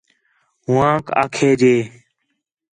ہوآنک آکھے ڄے